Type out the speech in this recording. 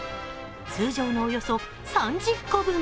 通常のおよそ３０個分。